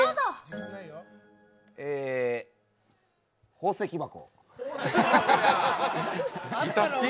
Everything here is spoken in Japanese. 宝石箱？